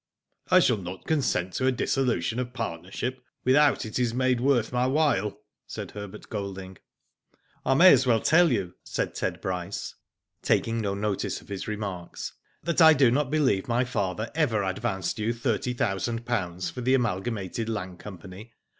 I shall not consent to a dissolution of partner ship without it is made worth my while," said Herbert Golding. Digitized byGoogk FACE TO FACE, 231 " I may as well tell you/' said Ted Bryce, taking no notice of his remarks, "that I do not believe my father ever advanced you thirty thousand pounds for the Amalgamated Land Company.